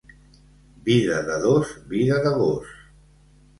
Vida de dos, vida de gos.